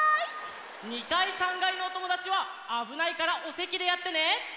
２かい３がいのおともだちはあぶないからおせきでやってね。